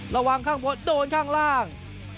ระวังข้างบนโดนข้างล่าง